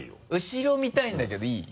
後ろ見たいんだけどいい？